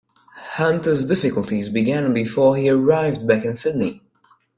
Hunter's difficulties began before he arrived back in Sydney.